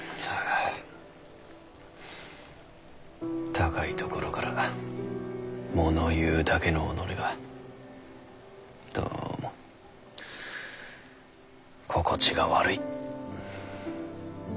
高い所から物言うだけの己がどうも心地が悪い。